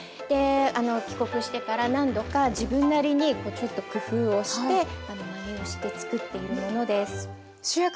あの帰国してから何度か自分なりにちょっと工夫をしてまねをしてつくっているものです。